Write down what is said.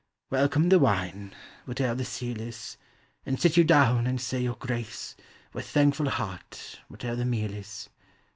Welcome the wine, whate'er the seal is; And sit you down and say your grace With thankful heart, whate'er the meal is.